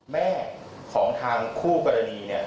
แม่ของทางคู่กรณีเนี่ย